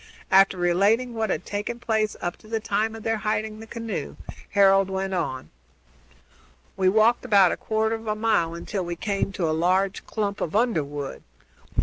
After relating what had taken place up to the time of their hiding the canoe, Harold went on: "We walked about a quarter of a mile until we came to a large clump of underwood.